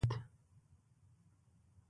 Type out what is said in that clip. هو، یوه ساعت